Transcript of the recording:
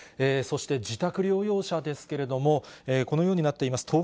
そして自宅療養者ですけれども、このようになっています。